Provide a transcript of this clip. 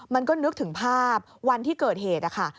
มันก็นึกถึงภาพวันที่เกิดเหตุนะคะ